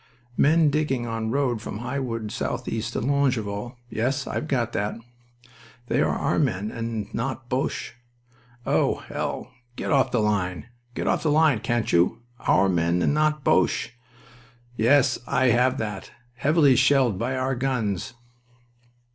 'Men digging on road from High Wood southeast to Longueval.' Yes, I've got that. 'They are our men and not Boches.' Oh, hell!... Get off the line. Get off the line, can't you?... 'Our men and not Boches.' Yes, I have that. 'Heavily shelled by our guns.'"